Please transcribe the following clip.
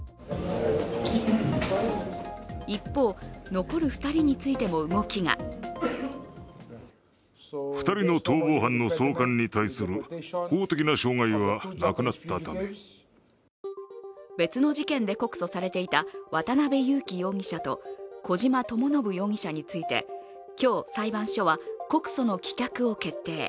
一方、残る２人についても動きが別の事件で告訴されていた渡辺優樹容疑者と小島智信容疑者について今日、裁判所は告訴の棄却を決定。